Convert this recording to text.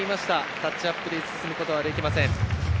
タッチアップに進むことはできません。